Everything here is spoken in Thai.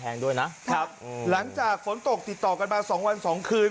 ด้วยนะครับหลังจากฝนตกติดต่อกันมาสองวันสองคืน